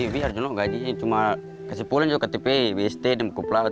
biar gaji cuma kasih pulang ke ktp bst dan buku pelaut